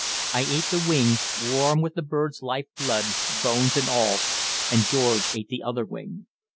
I ate the wing, warm with the bird's life blood, bones and all, and George ate the other wing.